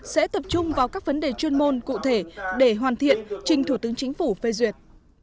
sẽ tập trung vào các vấn đề chuyên môn cụ thể để hoàn thiện trình thủ tướng chính phủ phê duyệt